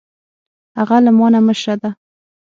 هغه له ما نه مشر ده